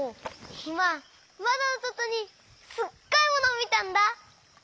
いままどのそとにすっごいものをみたんだ！